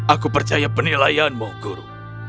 aku percaya penilaianmu guru